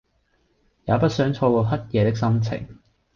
也不想錯過黑夜的心情